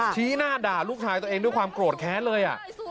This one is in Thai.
ชี้หน้าด่าลูกชายตัวเองด้วยความโกรธแค้นเลย